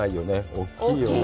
大きいよね。